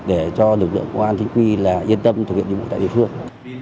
để cho lực lượng công an chính quyền yên tâm thực hiện điều kiện tại địa phương